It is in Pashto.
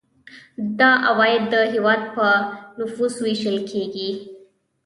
دا عواید د هیواد په نفوس ویشل کیږي.